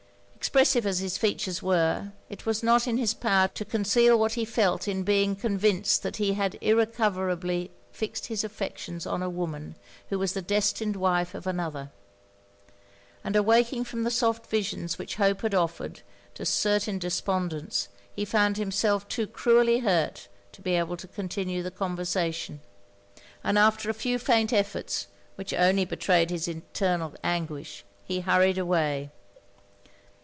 Expressive as his features were, it was not in his power to conceal what he felt in being convinced that he had irrecoverably fixed his affections on a woman who was the destined wife of another: and awaking from the soft visions which Hope had offered, to certain despondence, he found himself too cruelly hurt to be able to continue the conversation; and after a few faint efforts, which only betrayed his internal anguish, he hurried away.